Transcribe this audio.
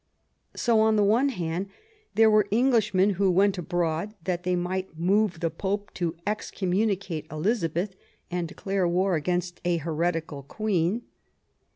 So, on the one hand, there were Englishmen who went abroad, that they might move the Pope to ex communicate Elizabeth and declare war against a heretical Queen.